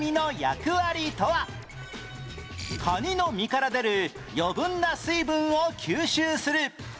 カニの身から出る余分な水分を吸収する